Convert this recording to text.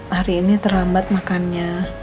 hari ini terlambat makannya